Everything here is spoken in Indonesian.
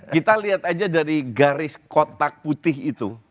kita lihat aja dari garis kotak putih itu